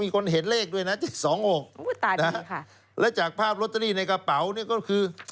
มีคนเห็นเลขด้วยนะที่๒องค์นะแล้วจากภาพร็อตเตอรี่ในกระเป๋านี่ก็คือ